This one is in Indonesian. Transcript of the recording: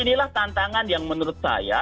inilah tantangan yang menurut saya